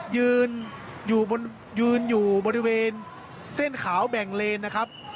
ยืนอยู่ยืนอยู่บริเวณเส้นขาวแบ่งเลนนะครับ